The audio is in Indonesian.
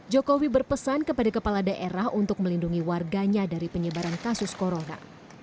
jokowi berpesan kepada kepala daerah untuk melindungi warganya dari penyebaran kasus corona